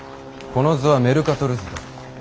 この図はメルカトル図だ。